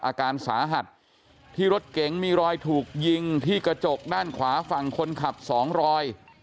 อาการสาหัสที่รถเก๋งมีรอยถูกยิงที่กระจกด้านขวาฝั่งคนขับสองรอย